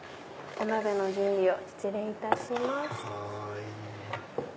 お鍋の準備を失礼いたします。